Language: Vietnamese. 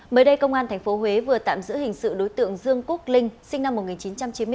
mới đây công an tp huế vừa tạm giữ hình sự đối tượng dương quốc linh sinh năm một nghìn chín trăm chín mươi bốn